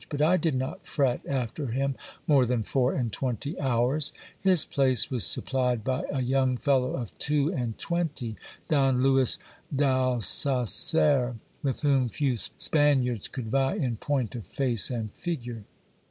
But I did not fret after him more than four and twenty hours. His place was supplied by a young fellow of two and twenty, 248 GIL BLAS. Don Lewis d' Alcacer, with whom few Spaniards could vie in point of face and figure.